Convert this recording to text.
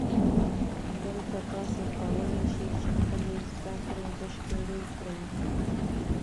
دلته تاسو کولای شئ چې خپلې زده کړې بشپړې کړئ